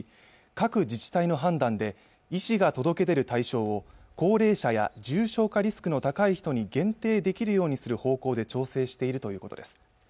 各自治体の判断で医師が届け出る対象を高齢者や重症化リスクの高い人に限定できるようにする方向で調整しているということです